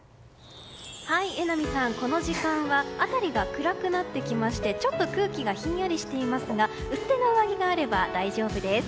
榎並さん、この時間は辺りが暗くなってきましてちょっと空気がひんやりしていますが薄手の上着があれば大丈夫です。